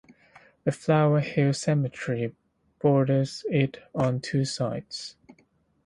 The Flower Hill Cemetery borders it on two sides.